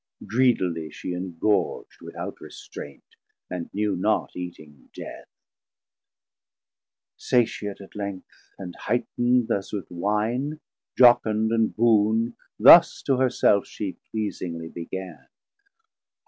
790 Greedily she ingorg'd without restraint, And knew not eating Death: Satiate at length, And hight'nd as with Wine, jocond and boon, Thus to her self she pleasingly began.